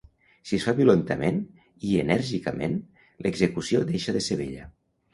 Si es fa violentament i enèrgicament, l’execució deixa de ser bella.